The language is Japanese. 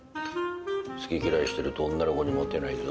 好き嫌いしてると女の子にモテないぞ。